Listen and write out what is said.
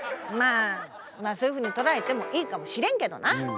まあそういうふうに捉えてもいいかもしれんけどな。